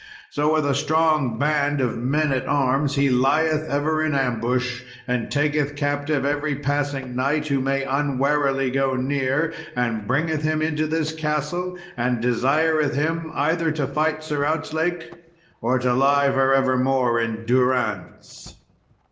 So with a strong band of men at arms he lieth ever in ambush, and taketh captive every passing knight who may unwarily go near, and bringeth him into this castle, and desireth him either to fight Sir Outzlake, or to lie for evermore in durance.